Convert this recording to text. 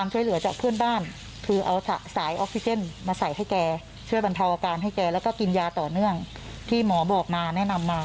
เชื่อบรรเทาอาการให้แกแล้วก็กินยาต่อเนื่องที่หมอบอกมาแนะนำมา